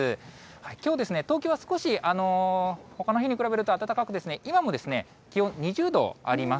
きょう、東京は少しほかの日に比べると暖かく、今もですね、気温２０度あります。